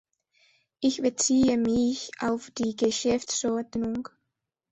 Ich beziehe mich auf die Geschäftsordnung.